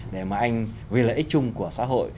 để mà anh vì lợi ích chung của xã hội